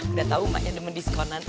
udah tahu mak yang ada mendiskonan